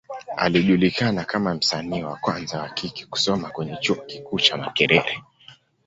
Alijulikana kama msanii wa kwanza wa kike kusoma kwenye Chuo kikuu cha Makerere.